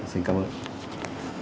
xin cảm ơn